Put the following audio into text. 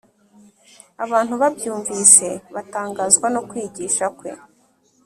Abantu babyumvise batangazwa no kwigisha kwe